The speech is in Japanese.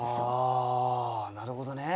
はあなるほどね。